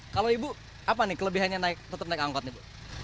kalau ibu apa nih kelebihannya tetap naik angkut